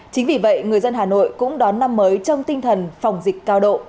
chính vì vậy người dân hà nội cũng đón năm mới trong tinh thần phòng dịch cao độ